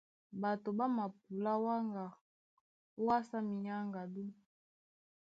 Ɓato ɓá mapulá wáŋga ówásá minyáŋgádú.